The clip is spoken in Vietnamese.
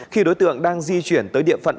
khi đối tượng đang di chuyển tới địa phận